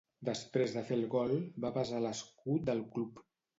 Després de fer el gol, va besar l'escut del club.